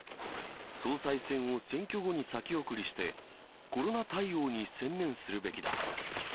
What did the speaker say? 総裁選を選挙後に先送りして、コロナ対応に専念するべきだ。